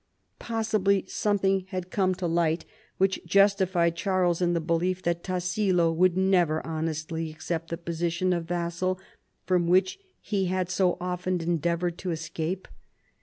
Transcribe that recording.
Possibly something had come to light which justified Charles in the belief that Tassilo would never honestly accept the position of vassal from which he had so often endeavored to escape.